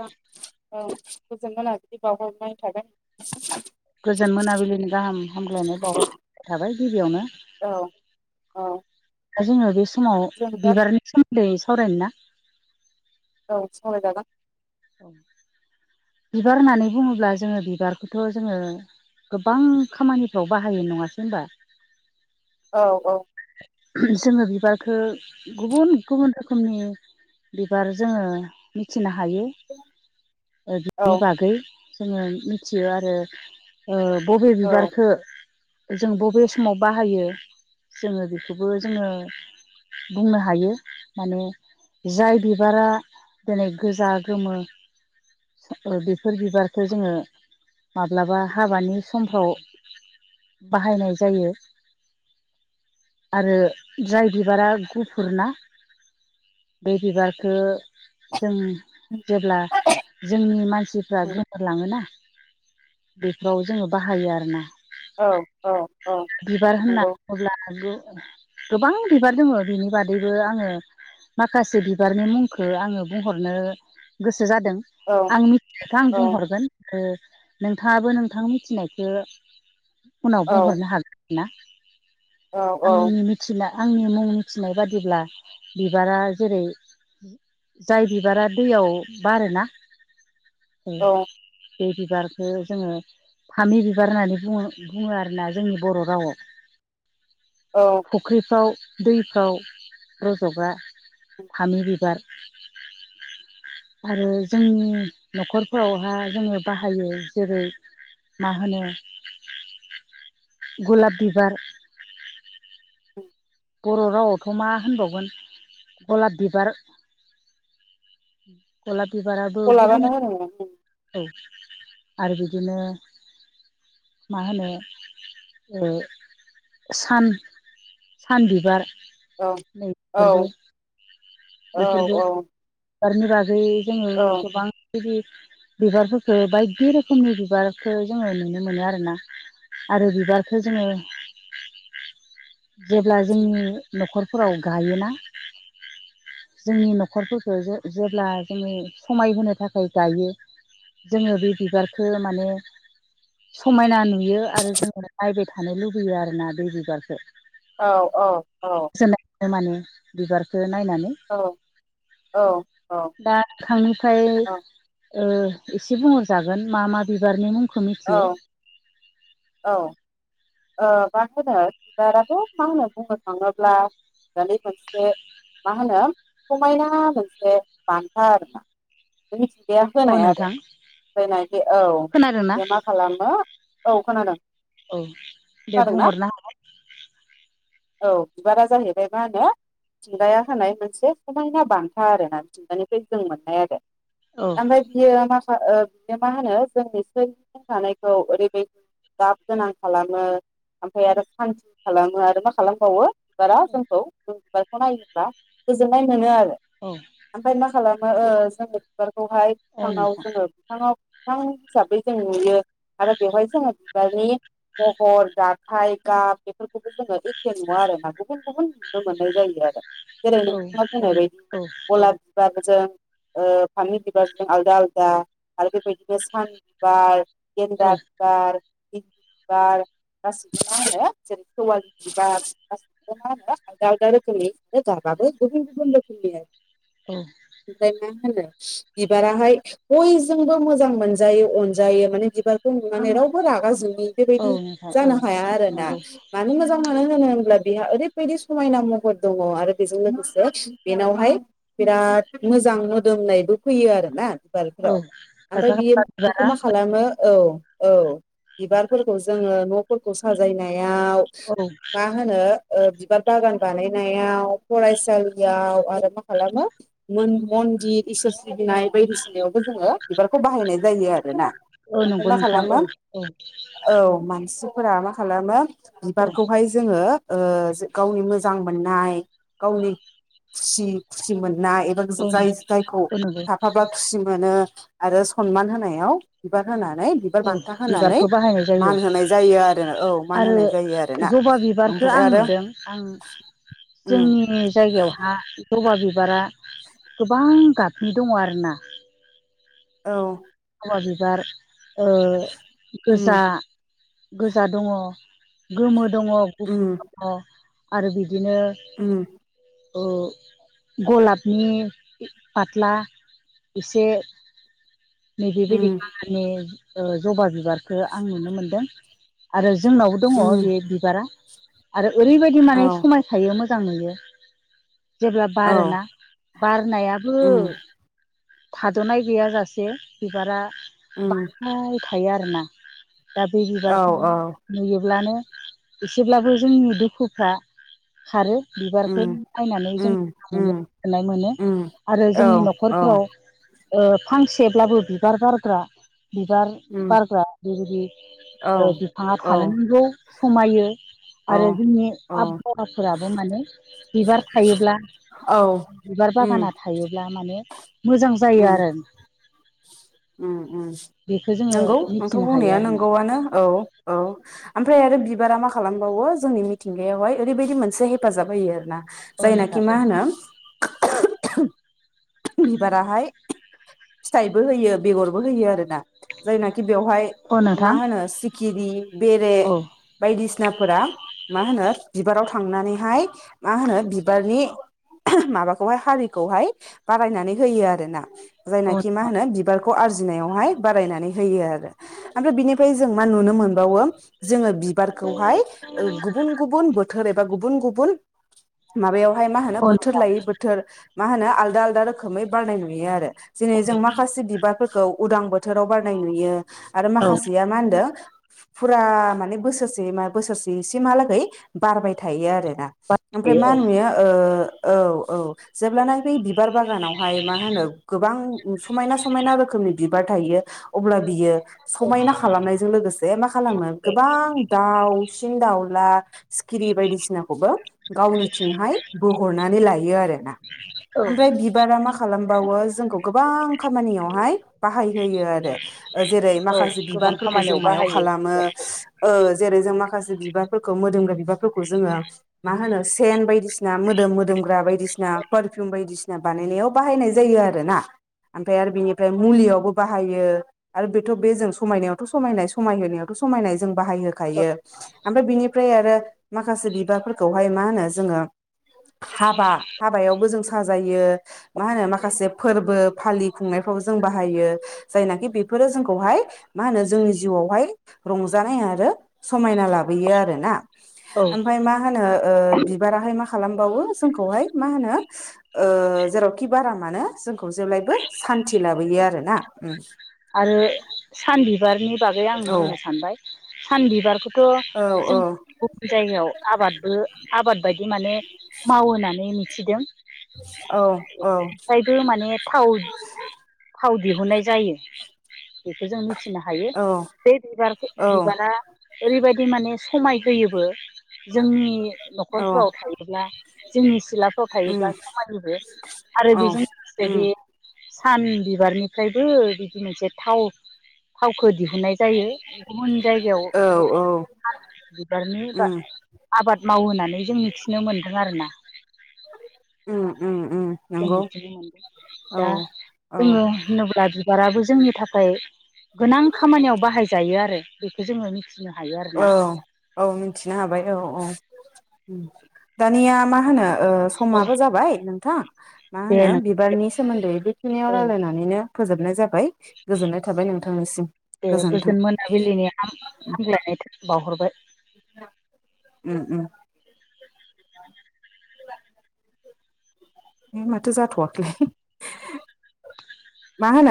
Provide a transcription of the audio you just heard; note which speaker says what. Speaker 1: औ गोजोन मोनाबिलि बावहरनाय थागोन।
Speaker 2: गोजोन मोनाबिलिनि गाहाम हालायनाय बावहनाय थाबाय गिबियावनो।
Speaker 1: औ औ
Speaker 2: दा जोङो बे समाव
Speaker 1: जों दा
Speaker 2: बिबारनि सोमोन सावरायनोना।
Speaker 1: औ सावराय जागोन।
Speaker 2: औ बिबार होननानै बुङोब्ला जोङो बिबारखौथ' जोङो। गोबां खामानि, फ्राव बाहायो नङासै होनोमबा!
Speaker 1: औ, औ,
Speaker 2: जोङो बिबारखो गुबुन गुबुन रोखोमनि बिबार जोङो मिथिनो हायो
Speaker 1: औ
Speaker 2: बिनि बागै। जोङो मिथियो आरो ओ बबे
Speaker 1: औ
Speaker 2: बिबारखो जों बबे समाव बाहायो जोङो बेखौबो जोङो बुंनो हायो माने जाय बिबारा दिनै गोजा गोमो। बेफोर बिबारखो जोङो माब्लाबा हाबानि समफ्राव बाहायनाय जायो। आरो जाय बिबारा गुफुर ना बे बिबारखो जों जेब्ला जोंनि मानसिफ्रा गोमोरलाङोना बेखौ जोंङो बाहायो आरो ना
Speaker 1: औ अ अ नंगौ।
Speaker 2: गो गोबां बिबार दङ' बिनि बादैबो आङो माखासे बिबारनि मुंखो आङों बुंहरनो गो सो जादों
Speaker 1: औ
Speaker 2: आं मिथिख खौ आं
Speaker 1: औ
Speaker 2: बुंहरगोन। नोंथाङाबो नोंथां मिथिनायखौ उनाव बुंहरनो हागोन ना
Speaker 1: औ औ
Speaker 2: आंनि मिथिला आंनि मुं मिथिनाय बादिब्ला बिबारा जेरै जाय बिबारा दैयाव बारोना
Speaker 1: औ
Speaker 2: बे बिबारखो जोङो फामि बिबार होननानै बुं बुङो आरोना जोंनि बर' रावआव।
Speaker 1: औ
Speaker 2: फुख्रिफ्राव दैफ्राव रज'ग्रा। फामि बिबार। आरो जोंनि न'खरफोरावहा जोङो बाहायो जेरै मा होनो गलाप बिबार बर' रावआवथ' मा होनबावगोन गलाब बिबार गलाब बिबाराबो गुबुन
Speaker 1: गलाबानो होनोमोन
Speaker 2: औ आरो बिदिनो मा होनो ओ सान सान बिबार
Speaker 1: औ औ
Speaker 2: नैफोरबो
Speaker 1: औ औ।
Speaker 2: बिबारनि बागै जोङो
Speaker 1: औ
Speaker 2: गोबां बिदि बिबारफोरखो बायदि रोखोमनि बिबारखो जोङो नुनो मोनो आरोना। आरो बिबारखो जोङो जेब्ला जोंनि न' खरफोराव गायोना जोंनि न' खरफोरखो जेब्ला जोङो समायहोनो थाखाय गायो। जोङो बे बिबारखो माने समायना नुयो आरो जोङो नायबाय थानो लुबैयो आरो ना बे बिबारखो।
Speaker 1: औ औ अ अ
Speaker 2: माने बिबारखो नायनानै। दा [unintelligible] ओ एसे बुंहर जागोन मा मा बिबारनि मुंखो
Speaker 1: औ
Speaker 2: मिथियो।
Speaker 1: औ। ओ मा होनो बिबाराथ' मा होनो बुंनो थाङोब्ला दलि मोनसे मा होनो समायना मोनसे बान्था आरो ना मि बेहा
Speaker 2: अ
Speaker 1: होनाय आरो।
Speaker 2: नोंथां
Speaker 1: फैनाय बे औ
Speaker 2: खोनादोंना
Speaker 1: बे मा खालामो औ खोनादों।
Speaker 2: औ दे
Speaker 1: खोनादोंना
Speaker 2: बुंहरनो हागोन।
Speaker 1: औ बिबारा जाहैबाय मा होनो मिथिंगाया होनाय मोनसे समायना बान्था आरोना मिथिंगानिफ्राय जों मोननाय आरो।
Speaker 2: औ
Speaker 1: ओमफ्राय बियो मा बिनो मा होनो जोंनि स थानायखौ ओरैबायदि गाब गोनां खालामो। ओमफ्राय आरो सान्थि खालामो आरो मा खालामबावो बिबारा जोंखौ बि नाय गोजोननाय मोनो आरो
Speaker 2: औ
Speaker 1: बेहाय
Speaker 2: औ
Speaker 1: बिफाङाव
Speaker 2: नोंथां
Speaker 1: जोङो बिफाङाव बिफां हिसाबै जों नुयो आरो बेवहाय जोङो बिबारनि महर जाथाय गाब बेफोरखौबो जोङो एखे नुवा आरो ना गुबुन गुबुन नुनो मोननाय जायो आरो। जेरै
Speaker 2: औ
Speaker 1: नोंथाङा
Speaker 2: औ
Speaker 1: बुंनाय बायदि
Speaker 2: औ
Speaker 1: गलाब बिबारजों ओ पामि बिबारजों आलादा आलादा आरो बेबायदिनो सान बिबार
Speaker 2: औ
Speaker 1: गेन्दा बिबार [unintelligible] बिबार गासिबो मा होनो जेरै सेवालि बिबार गासिखौबो आरो आलदा आलदा रोखोमै गाब बाबो गुबुन गुबुन रोखोमनि आरो
Speaker 2: औ
Speaker 1: ओमफ्राय ना मा होनो बिबाराहाय बयजोंबो मोजां मोनजायो अनजायो माने बिबारखौ नुनानै रावबो रागा जोंनि
Speaker 2: औ
Speaker 1: बेबायदि
Speaker 2: नोंथां औ
Speaker 1: जानो हाया आरोना
Speaker 2: नंगौ
Speaker 1: मानो हो मोजां मानो होनो होनब्ला बेहा ओरैबायदि समायना महर दङ' आरो बेजों लोगोसे बेनावहाय बिराद मोजां मोदोमनायबो फैयो आरो। ना
Speaker 2: औ
Speaker 1: बिबारफोराव ओमफ्राय
Speaker 2: खायफा
Speaker 1: बियो
Speaker 2: खायफा
Speaker 1: बेखौ
Speaker 2: बिबारा
Speaker 1: मा खालामो औ औ। बिबारफोरखौ जोङो न'फोरखौ साजायनायाव
Speaker 2: औ
Speaker 1: मा होनो ओ बिबार बागान बानायनायाव फरायसालियाव आरो मा खालामो मन्दिर इसोर सिबिनाय बायदिसिनायावबो जोङो बिबारखौ बाहायनाय जायो आरो ना।
Speaker 2: औ
Speaker 1: ओमफ्राय
Speaker 2: नंगौ
Speaker 1: मा
Speaker 2: नोंथां औ
Speaker 1: खालामो
Speaker 2: औ
Speaker 1: औ मानसि फोर मा खालामो
Speaker 2: औ
Speaker 1: बिबारखौहाय जोङो ओ गावनि मोजां मोननाय गावनि खुसि खुसि मोननाय ना एबा
Speaker 2: औ
Speaker 1: जाय जायखौ
Speaker 2: औ नंगौ
Speaker 1: थाफाबा खुसि मोनो आरो सनमान होनायाव बिबार होनानै बिबार
Speaker 2: औ
Speaker 1: बान्था होनानै
Speaker 2: बिबारखौ बाहायनाय जायो
Speaker 1: मान होनाय जायो आरोना औ मान होनाय जायो
Speaker 2: आरो
Speaker 1: आरोना
Speaker 2: जबा बिबारखौ
Speaker 1: ओमफ्राय
Speaker 2: आं
Speaker 1: आरो
Speaker 2: नुदों आं
Speaker 1: उम
Speaker 2: जोंनि जायगायावहा जबा बि बिबारा गोबां गाबनि दङ' आरोना।
Speaker 1: औ।
Speaker 2: जबा बिबार ओ गोजा
Speaker 1: उम
Speaker 2: गोजा दङ' गोमो दङ' गुफुर
Speaker 1: उम
Speaker 2: दङ' आरो बिदि बिदिनो
Speaker 1: उम
Speaker 2: ओ गलाबनि फाथ्ला एसे नैबेबायदि
Speaker 1: उम
Speaker 2: खामानि जबा बिबारखो आं नुनो मोनदों आरो जोंनावबो दङ'
Speaker 1: उम
Speaker 2: बे बिबारा आरो ओरैबायदि
Speaker 1: औ
Speaker 2: माने समायखायो मोजां मोजां नुयो जेब्ला
Speaker 1: औ
Speaker 2: बारोना बारनायाबो
Speaker 1: उम
Speaker 2: थाद'नाय गैयाजासे बिबारा
Speaker 1: उम
Speaker 2: बारबाय थायो आरोना। दा बे
Speaker 1: औ
Speaker 2: बिबारखौ
Speaker 1: औ
Speaker 2: नुयोब्लानो एसेब्लाबो जोंनि दुखुफ्रा खारो बिबारखौ
Speaker 1: उम
Speaker 2: बायनानै जों
Speaker 1: उम
Speaker 2: मोननो
Speaker 1: उम
Speaker 2: गोजोननाय मोनो।
Speaker 1: उम
Speaker 2: आरो
Speaker 1: औ
Speaker 2: जोंनि
Speaker 1: औ
Speaker 2: न'खरफ्राव ओ फांसेब्लाबो बिबार बारग्रा बिबार
Speaker 1: उम
Speaker 2: बारग्रा
Speaker 1: औ
Speaker 2: बेबायदि बिफाङा
Speaker 1: औ
Speaker 2: थानो नगौ समायो
Speaker 1: औ
Speaker 2: आरो जोंनि
Speaker 1: औ
Speaker 2: आबहावाफोराबो माने बिबार थायोब्ला बिबार बागाना
Speaker 1: उम
Speaker 2: थायोब्ला माने मोजां जायो
Speaker 1: उम
Speaker 2: आरो।
Speaker 1: उम उम
Speaker 2: बेखौ जोङो
Speaker 1: नंगौ नोंथां'
Speaker 2: मिथिनो हायो
Speaker 1: बुंनाया
Speaker 2: आरोना
Speaker 1: नंगौआनो औ औ उमफ्राय ओमफ्राय आरो बिबारा मा खालामबावो जोंनि मिथिंगायावहाय ओरैबायदि मोनसे हेफाजाब होयो आरो ना।
Speaker 2: औ
Speaker 1: जायनाखि
Speaker 2: नोंथां
Speaker 1: मा
Speaker 2: औ
Speaker 1: होनो बाराहाय फिथाइबो होयो बेगर बो होयो आरोना जायनाखि बेयावहाय
Speaker 2: औ
Speaker 1: मा
Speaker 2: नोंथां
Speaker 1: होनो सिखिरि बेरे
Speaker 2: औ
Speaker 1: बायदिसिनाफोरा मा होनो बिबाराव थ थांनानैहाय मा होनो बिबारनि माबाखौहाय हारिखौहाय बारायनानै होयो आरोना
Speaker 2: औ
Speaker 1: जायनाखि मा
Speaker 2: नोंथां
Speaker 1: होनो बिबार खौ आर्जिनायावहाय बारायनानै होयो आरो ओमफ्राय बिनिफ्राय जों मा नुनो मोनबावो जोङो बिबारखौहाय गुबुन गुबुन बोथोर एबा गुबुन गुबुन माबायावहाय मा होनो
Speaker 2: औ
Speaker 1: बोथोर
Speaker 2: नोंथां
Speaker 1: लायै बोथोर मा होनो आलदा आलदा रोखोम खोमै बारनाय नुयो आरो जेरै जों माखासे बिबारफोरखौ उदां बोथोर बोथोराव बारनाय नुयो आरो
Speaker 2: औ
Speaker 1: माखासेया मा होनदों फुरा माने बोसोरसे मा बोसोरसे एसेमहालागै बारबाय थायो आरो मफ्राय
Speaker 2: बाहायो
Speaker 1: मा
Speaker 2: औ
Speaker 1: नुयो औ औ जेब्लान बै बिबार बागानाव बेहाय मा होनो गोबां समायना समायना रोखोमनि बिबार थायो अब्ला बियो समायना खालामनायजों लोगोसे मा खालामो गोबां दाउसिन दाउला खिरि बायदिसिनाखौबो गावनिथिंहाय बोहरनानै लायो आरोना।
Speaker 2: औ
Speaker 1: आफ्राय बिबारामा खालामबावो जोंखौ गोबां खामानियावहाय बाहाय होयो आरो। जेरै
Speaker 2: औ
Speaker 1: माखासे
Speaker 2: गोबां
Speaker 1: बिबारफोरखौ जों
Speaker 2: खामानियाव
Speaker 1: मायाव
Speaker 2: बाहायो
Speaker 1: खालामो
Speaker 2: बिबारखौ
Speaker 1: ओ जेरै जों माखासे बिबारफोरखौ मोदोमग्रा बिबारफोरखौ मा होनो सेन बायदिसना मोदोम मो ग्रा बायदिसिना पारफिउम बायदिसिना बानायनायाव बाहायनाय जायो आरोना। ओमफ्राय आरो बेनिफ्राय मुलियावबो बाहायो आरो बेथ' बे जों समायनायावथ' समायनाय समायहोनायावथ' समायनाय जों बाहायहोखायो ओमफ्राय बिनिफ्राय आरो माखासे बिबारफोरखौहाय मा होनो जोङो हाबा हाबायावबो जों साजायो। मा होनो माखासे फोरबो फालि खुंनायफ्राव जों बाहायो जायनाखि बेफोरो जोंखौहाय मा होनो जोंनि जिउआवहाय रंजानाय आरो समायना लाबोयो आरोना।
Speaker 2: औ
Speaker 1: ओमफफ्राय मा होनो ओ बिबाराहाय मा खालामबावो जोंखौहाय मा होनो ओ जेराव खि बारा मानो जोंखौ जेब्लायबो सान्तथि लाबोयो आरो ना।
Speaker 2: आरो सान बिबारनि बागै आं
Speaker 1: औ
Speaker 2: बुंनो सानबाय सान बिबारखौथ'
Speaker 1: औ
Speaker 2: जों
Speaker 1: औ
Speaker 2: गुबुन जायगायाव आबादबो आबाद बायदि माने मावो होननानै मिथिदों।
Speaker 1: औ
Speaker 2: मफ्रायबो माने थाव थाव दिहुननाय जायो बेखौ जों मिथिनो ह हायो
Speaker 1: औ
Speaker 2: बे बिबार
Speaker 1: औ
Speaker 2: बिबारा ओरैबायदि माने समाय होयोबो जोंनि
Speaker 1: औ
Speaker 2: न'खरफोराव थायोब्ला जोंनि सिलाफ्राव थायोब्ला
Speaker 1: उम
Speaker 2: समानिबो आरो
Speaker 1: औ
Speaker 2: बेजों लोगोसे
Speaker 1: उम
Speaker 2: बे सान बिबारनिफ्रायबो बिदि मोनसे थाव थावखौ दिहुननाय जायो। गुबुन जायगायाव
Speaker 1: औ औ
Speaker 2: बे बिबारनि बा
Speaker 1: उम
Speaker 2: आबाद मावहानै जों मिथिनो मोन्दों आरोना।
Speaker 1: उम उम। उम
Speaker 2: जों
Speaker 1: नंगौ
Speaker 2: मिथिनो मोनदों
Speaker 1: औ
Speaker 2: दा
Speaker 1: औ
Speaker 2: जोङो होनोब्ला ज बिबाराबो जोंनि थाखाय गोनां खामानियाव बाहायजायो आरो बेखौ जोङो मिथि
Speaker 1: औ औ मिथिनो हाबाय औ औ दानिया मा होनो ओ
Speaker 2: औ
Speaker 1: समाबो जाबाय नोंथां मा होनो
Speaker 2: दे नों
Speaker 1: बिबारनि सोमोन्दै बेखिनियाव
Speaker 2: औ
Speaker 1: रायलायनानैनो फोजोबनाय जाबाय। गोजोननाय थाबाय नोंथांनिसिम
Speaker 2: दे
Speaker 1: गोजोनथों।
Speaker 2: गोजोन मोनाबिलिनि हाम हामग्लायनाय बावहरबाय।
Speaker 1: उम उम। बे माथो जाथ'वाखैलै मा होनो